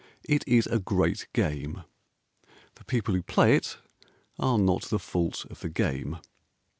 It is a great game: The people who play it are not the fault of the game.